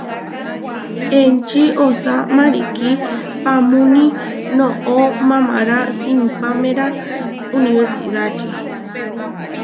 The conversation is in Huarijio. Enči osá marikí paamúni noʼo mamará simpáméra unibersidáči.